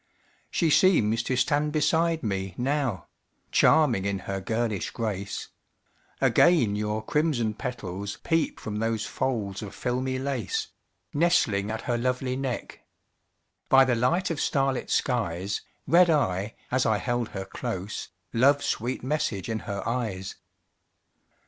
She seems to stand beside me now, Charming in her girlish grace; Again your crimson petals peep From those folds of filmy lace Nestling at her lovely neck. By the light of starlit skies Read I, as I held her close, Love's sweet message in her eyes.